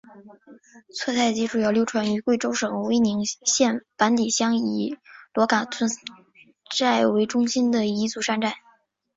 撮泰吉主要流传于贵州省威宁县板底乡以裸戛村寨为中心的彝族山寨。